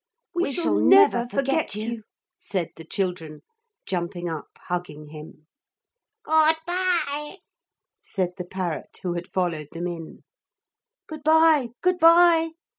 'We shall never forget you,' said the children, jumping up hugging him. 'Good bye!' said the parrot who had followed them in. 'Good bye, good bye!'